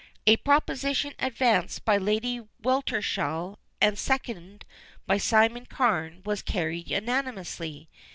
A proposition advanced by Lady Weltershall and seconded by Simon Carne was carried unanimously.